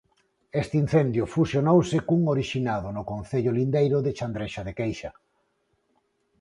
Este incendio fusionouse cun orixinado no concello lindeiro de Chandrexa de Queixa.